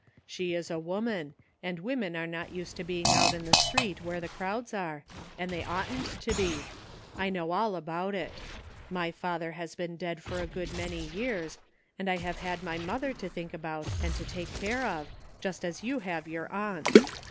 ''She is a woman, and women are not used to being out in the street where the crowds are, and they oughtn't to be. I know all about it. My father has been dead for a good many years, and I have had my mother to think about and to take care of, just as you have your aunt.